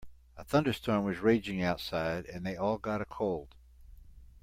A thunderstorm was raging outside and they all got a cold.